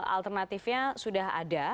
alternatifnya sudah ada